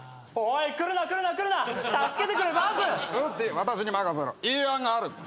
いい案がある。